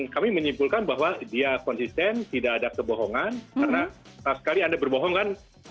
kami menyimpulkan bahwa dia konsisten tidak ada kebohongan karena sekali anda berbohong kan